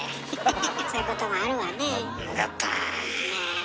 そういうこともあるわね。グッバイ。